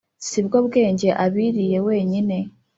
si bwo bwenge abiriye wenyine!